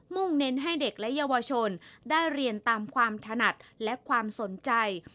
่งเน้นให้เด็กและเยาวชนได้เรียนตามความถนัดและความสนใจ